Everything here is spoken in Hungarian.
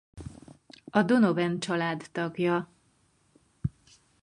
A Donovan-család tagja.